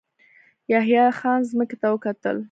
يحيی خان ځمکې ته وکتل.